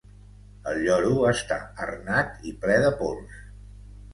El lloro està arnat i ple de pols.